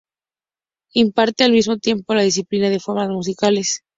Imparte al mismo tiempo la disciplina de Formas musicales.